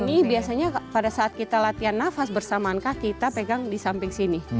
coba disini biasanya pada saat kita latihan nafas bersamaan kaki kita pegang disamping sini